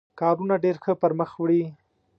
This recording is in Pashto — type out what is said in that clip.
کارونه ډېر ښه پر مخ وړي.